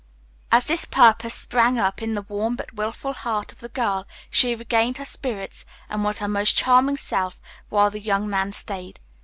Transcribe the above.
As this purpose sprang up in the warm but willful heart of the girl, she regained her spirits and was her most charming self while the young man stayed.